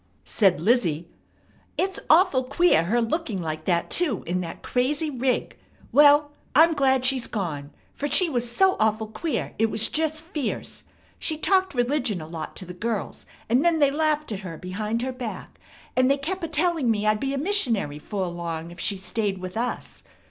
Said Lizzie: "It's awful queer, her looking like that, too, in that crazy rig! Well, I'm glad she's gone, fer she was so awful queer it was jest fierce. She talked religion a lot to the girls, and then they laughed at her behind her back; and they kep' a telling me I'd be a missionary 'fore long if she stayed with us.